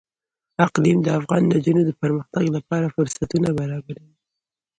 اقلیم د افغان نجونو د پرمختګ لپاره فرصتونه برابروي.